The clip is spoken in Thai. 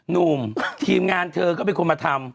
หนุ่มทีมงานเธอก็เป็นคนมาทำ